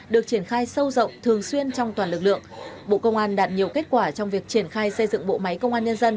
được triển khai sâu rộng thường xuyên trong toàn lực lượng bộ công an đạt nhiều kết quả trong việc triển khai xây dựng bộ máy công an nhân dân